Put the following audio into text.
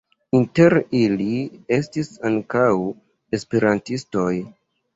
Inter ili estis ankaŭ esperantistoj.